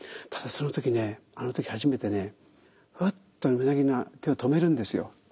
ただその時ねあの時初めてねふわっとうなぎの手を止めるんですよ。